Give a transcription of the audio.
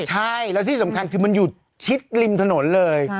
ใช่แล้วที่สำคัญคือมันอยู่ชิดริมถนนเลย